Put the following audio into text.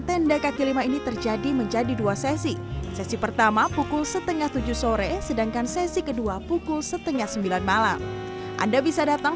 tetapi kita tetep dann hasyan dan jadi baru merasakan